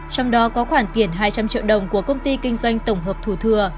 trong đó có khoản tiền hai trăm linh triệu đồng của công ty kinh doanh tổng hợp thủ thừa